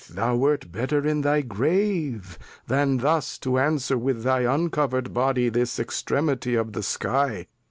Lear. Death! thou wert better in thy Grave, then thus to answer with thy uncover'd Body, this Extremity of the Sky.